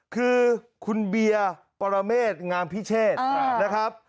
คือคุณเบียร์ปรเมษงามพิเชษนะครับ